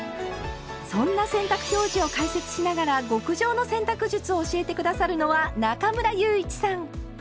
そんな洗濯表示を解説しながら極上の洗濯術を教えて下さるのは中村祐一さん。